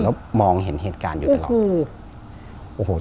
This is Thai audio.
แล้วมองเห็นเหตุการณ์อยู่ตลอด